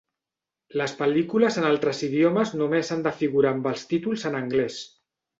Les pel·lícules en altres idiomes només han de figurar amb els títols en anglès.